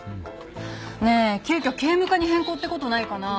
ねえ急きょ警務課に変更って事ないかな？